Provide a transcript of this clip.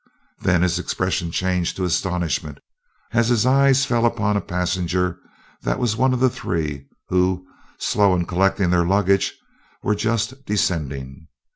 Then his expression changed to astonishment as his eyes fell upon a passenger that was one of three who, slow in collecting their luggage, were just descending.